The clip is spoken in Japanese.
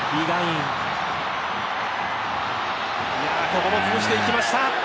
ここも潰していきました。